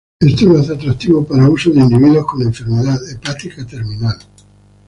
Esto lo hace atractivo para uso en individuos con enfermedad hepática terminal.